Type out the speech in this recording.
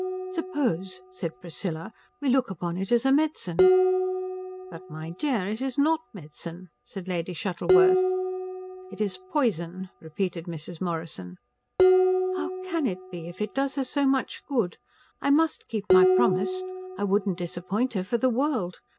"Suppose," said Priscilla, "we look upon it as medicine." "But my dear, it is not medicine," said Lady Shuttleworth. "It is poison," repeated Mrs. Morrison. "How can it be if it does her so much good? I must keep my promise. I wouldn't disappoint her for the world.